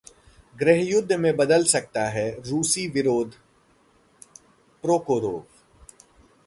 गृह युद्ध में बदल सकता है रूसी विरोध: प्रोकोरोव